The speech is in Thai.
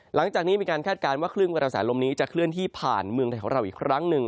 หลังจากนี้มีการคาดการณ์ว่าคลื่นกระแสลมนี้จะเคลื่อนที่ผ่านเมืองไทยของเราอีกครั้งหนึ่ง